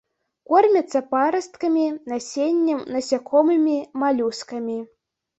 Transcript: Кормяцца парасткамі, насеннем, насякомымі, малюскамі.